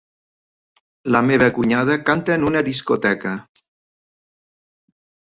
La meva cunyada canta en una discoteca.